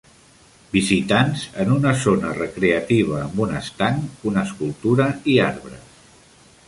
Visitants en una zona recreativa amb un estanc, una escultura i arbres